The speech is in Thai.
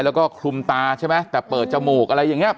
แล้วก็คลุมตาใช่ไหมแต่เปิดจมูกอะไรอย่างนี้